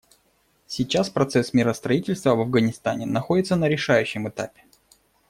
Сейчас процесс миростроительства в Афганистане находится на решающем этапе.